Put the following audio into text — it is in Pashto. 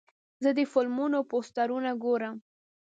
زه د فلمونو پوسټرونه ګورم.